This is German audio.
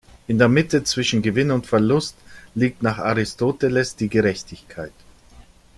In der Mitte zwischen Gewinn und Verlust liegt nach Aristoteles die Gerechtigkeit.